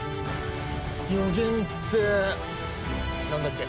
予言ってなんだっけ？